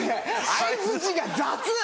相づちが雑！